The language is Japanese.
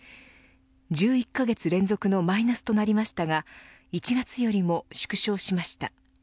１１カ月連続のマイナスとなりましたが１月よりも縮小しました。